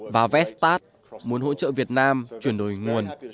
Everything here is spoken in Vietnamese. và vesta muốn hỗ trợ việt nam chuyển đổi nguồn